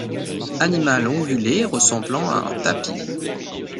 Animal ongulé ressemblant à un tapir.